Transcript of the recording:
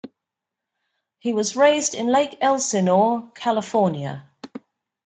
He was raised in Lake Elsinore, California.